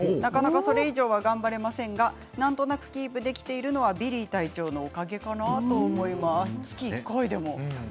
それ以上は頑張れませんがなんとなくキープできているのはビリー隊長のおかげかなと思います。